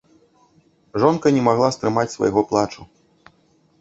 Жонка не магла стрымаць свайго плачу.